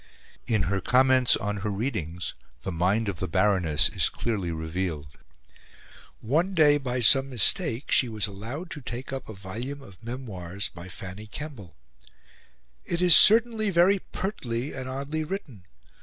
In her comments on her readings, the mind of the Baroness is clearly revealed. One day, by some mistake, she was allowed to take up a volume of memoirs by Fanny Kemble. "It is certainly very pertly and oddly written.